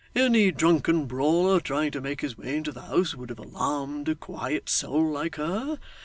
Any drunken brawler trying to make his way into the house, would have alarmed a quiet soul like her.